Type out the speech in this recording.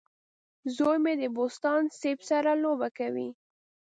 زوی مې د بوسټان سیب سره لوبه کوي.